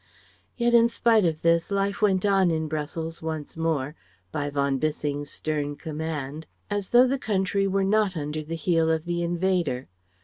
Yet in spite of this, life went on in Brussels once more by von Bissing's stern command as though the country were not under the heel of the invader.